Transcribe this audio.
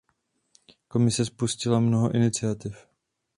Komise spustila mnoho iniciativ.